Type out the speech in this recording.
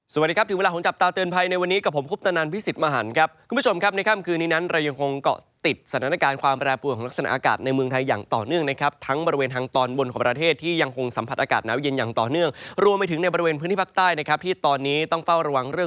สวัสดีครับถึงเวลาของจับตาเตือนภัยในวันนี้กับผมคุณนานพิสิทธิ์มหันครับคุณผู้ชมครับในค่ำคืนนี้นั้นเรายังคงก็ติดสถานการณ์ความแบรนด์ปวดของลักษณะอากาศในเมืองไทยอย่างต่อเนื่องนะครับทั้งบริเวณทางตอนบนของประเทศที่ยังคงสัมผัสอากาศนาวเย็นอย่างต่อเนื่องรวมไปถึงในบริเว